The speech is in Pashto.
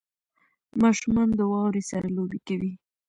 • ماشومان د واورې سره لوبې کوي.